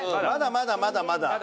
まだまだまだまだ。